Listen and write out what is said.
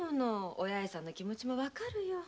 お八重さんの気持ちもわかるよ。